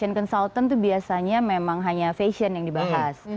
nah jadi konsultan tuh biasanya memang hanya fashion yang dibahas